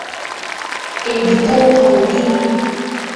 เอบิโก้ โฮลดิ้งส์